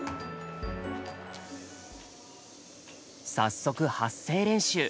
早速発声練習。